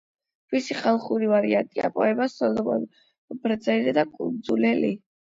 მისი ხალხური ვარიანტია პოემა „სოლომონ ბრძენი და კუნძულელი“.